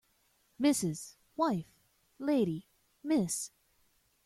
Mrs. wife lady Miss